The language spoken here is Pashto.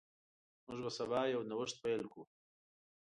موږ به سبا یو نوښت پیل کړو.